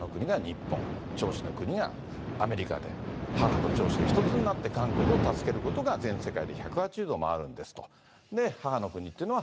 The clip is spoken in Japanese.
父の国が韓国、母の国が日本、長子の国がアメリカで、母とちょうしが一つになって韓国を助けることが全世界で１８０度回るんですと。